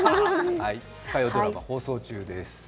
火曜ドラマ、放送中です。